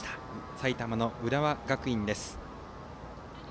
埼玉・浦和学院です。